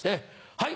はい。